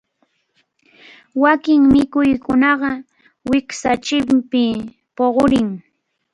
Wakin mikhuykunaqa wiksanchikpi puqurin.